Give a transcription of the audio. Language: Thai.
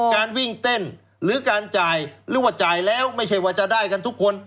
การวิ่งเต้นหรือการจ่ายหรือว่าจ่ายแล้วไม่ใช่ว่าจะได้กันทุกคน